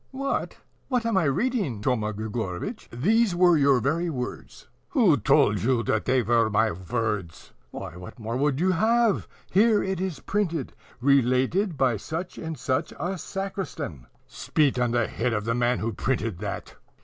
"What! what am I reading, Thoma Grigorovitch? These were your very words." "Who told you that they were my words?" "Why, what more would you have? Here it is printed: RELATED BY SUCH AND SUCH A SACRISTAN." "Spit on the head of the man who printed that!